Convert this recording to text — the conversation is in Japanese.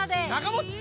もっち！